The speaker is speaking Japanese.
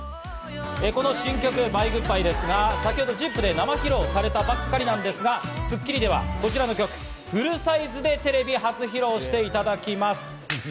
この新曲『Ｂｙｅ‐Ｇｏｏｄ‐Ｂｙｅ』ですが、先ほど『ＺＩＰ！』で生披露されたばっかりなんですが、『スッキリ』ではこちらの曲をフルサイズでテレビ初披露していただきます。